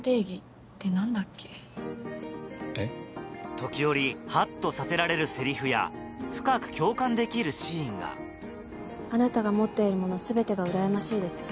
時折ハッとさせられるセリフや深く共感できるシーンがあなたが持っているもの全てがうらやましいです。